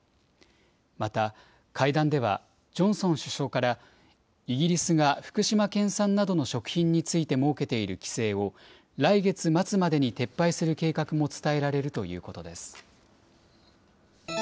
また、会談では、ジョンソン首相から、イギリスが福島県産などの食品について設けている規制を来月末までに撤廃する計画も伝えられるということです。